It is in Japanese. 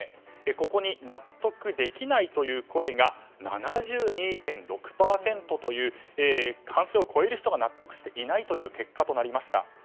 ここに納得できないという声が７２．６％という過半数を超える人が納得していないという結果となりました。